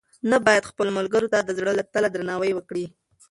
ته باید خپلو ملګرو ته د زړه له تله درناوی وکړې.